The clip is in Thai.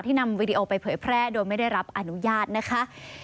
นำวีดีโอไปเผยแพร่โดยไม่ได้รับอนุญาตนะคะ